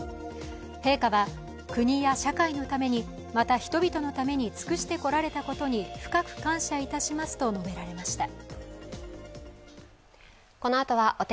陛下は国や社会のために、また人々のために尽くしてこられたことに深く感謝いたしますと述べられました。